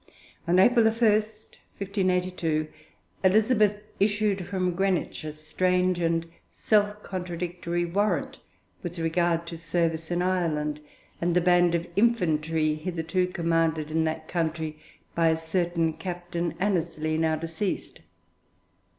On April 1, 1582, Elizabeth issued from Greenwich a strange and self contradictory warrant with regard to service in Ireland, and the band of infantry hitherto commanded in that country by a certain Captain Annesley, now deceased.